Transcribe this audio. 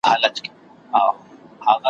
د شنبې په ورځ یوې سختي زلزلې ولړزاوه `